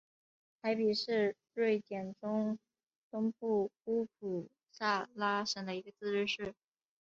海比市是瑞典中东部乌普萨拉省的一个自治市。